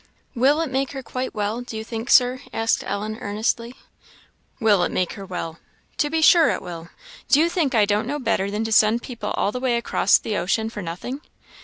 "Will it make her quite well, do you think, Sir?" asked Ellen, earnestly. " 'Will it make her well?' to be sure it will. Do you think I don't know better than to send people all the way across the ocean for nothing?